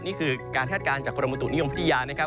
นี่คือการคาดการณ์จากกรมบุตุนิยมวิทยานะครับ